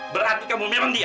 berarti kamu memang dia